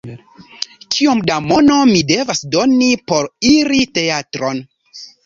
Kiom da mono mi devas doni por iri teatron?